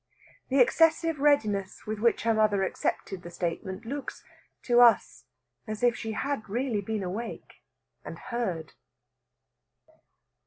The excessive readiness with which her mother accepted the statement looks, to us, as if she had really been awake and heard.